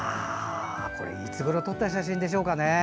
いつごろ撮った写真なんでしょうね。